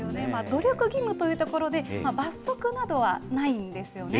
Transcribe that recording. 努力義務というところで、罰則などはないんですよね。